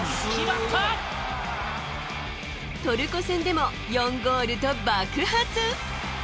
トルコ戦でも４ゴールと爆発。